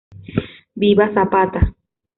Viva Zapata.